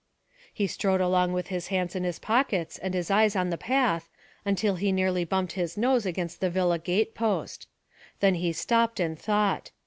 He strode along with his hands in his pockets and his eyes on the path until he nearly bumped his nose against the villa gate post. Then he stopped and thought.